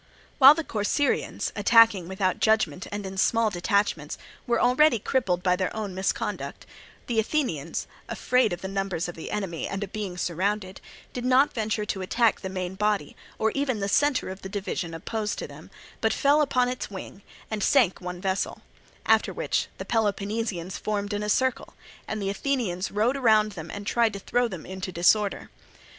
While the Corcyraeans, attacking without judgment and in small detachments, were already crippled by their own misconduct, the Athenians, afraid of the numbers of the enemy and of being surrounded, did not venture to attack the main body or even the centre of the division opposed to them, but fell upon its wing and sank one vessel; after which the Peloponnesians formed in a circle, and the Athenians rowed round them and tried to throw them into disorder.